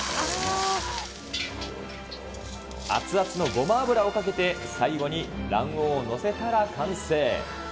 熱々のごま油をかけて最後に卵黄を載せたら完成。